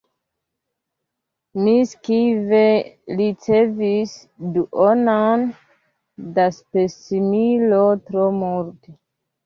Mi sekve ricevis duonon da spesmilo tro multe.